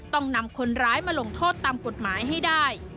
ต้องนำคนร้ายมาลงโทษตามกฎหมายให้ได้